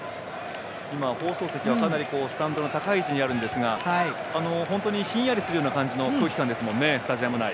放送席はかなりスタンドの高い位置にあるんですが本当にひんやりする感じの空気感ですね、スタジアム内。